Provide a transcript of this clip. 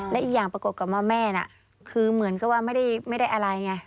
และอีกอย่างปรากฏกับว่าแม่น่ะคือเหมือนกับว่าไม่ได้อะไรไง